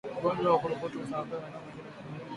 Ugonjwa wa ukurutu husambaa maeneo mengine ya mwili